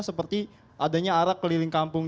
seperti adanya arah keliling kampung